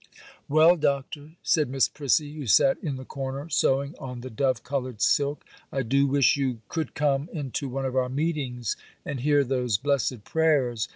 'Well, Doctor,' said Miss Prissy, who sat in the corner sewing on the dove coloured silk, 'I do wish you could come into one of our meetings and hear those blessed prayers.